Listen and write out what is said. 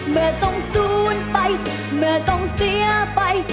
ไม่ต้องสูญไปไม่ต้องเสียไป